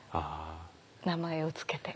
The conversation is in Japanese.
名前を付けて。